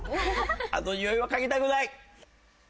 あのにおいは嗅ぎたくない！